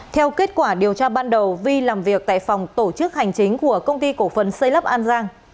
theo kết quả điều tra ban đầu vi làm việc tại phòng tổ chức hành chính của công ty cổ phần xây lắp an giang